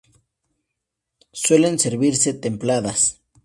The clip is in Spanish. Suelen servirse templadas.